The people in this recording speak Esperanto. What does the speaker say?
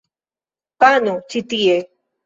Pano ĉi tie!